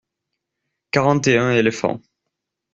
Quarante et un éléphants.